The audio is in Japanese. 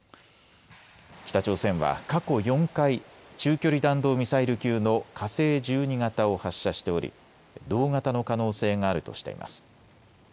北朝鮮は過去４回、中距離弾道ミサイル級の火星１２型を発射しており同型の可能性があるとしています。